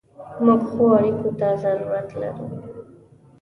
موږ ښو اړیکو ته ضرورت لرو.